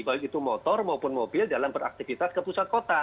baik itu motor maupun mobil dalam beraktivitas ke pusat kota